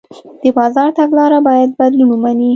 د بازار تګلاره باید بدلون ومني.